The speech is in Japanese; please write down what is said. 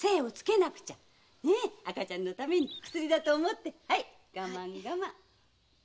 赤ちゃんのために薬だと思って我慢我慢。